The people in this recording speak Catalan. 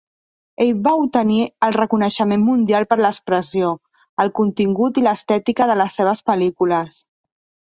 Ell va obtenir el reconeixement mundial per l'expressió, el contingut i l'estètica de les seves pel·lícules.